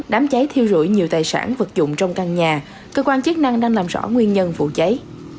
đám cháy thiêu rụi nhiều tài sản vật dụng trong căn nhà cơ quan chức năng đang làm rõ nguyên nhân vụ cháy